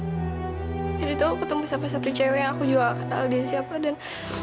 tiba tiba aku ketemu sama satu cewek yang aku juga gak kenal dia siapa dan